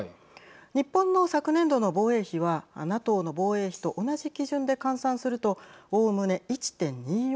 日本の昨年度の防衛費はＮＡＴＯの防衛費と同じ基準で換算するとおおむね１．２４％。